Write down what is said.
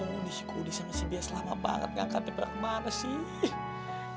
oh nih kudis yang masih biasa lama banget ngangkat telpon kemana sih